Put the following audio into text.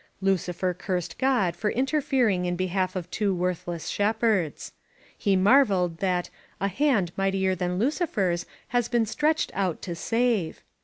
Lucifer cursed God for interfering in be half of two worthless shepherds. He marveled that "a hand mightier than Lucifer* s has been stretched out. to save."